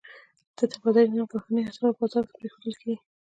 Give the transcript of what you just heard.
د تبادلې نرخ بهرنیو اسعارو بازار ته پرېښودل کېږي.